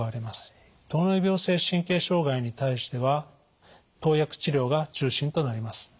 糖尿病性神経障害に対しては投薬治療が中心となります。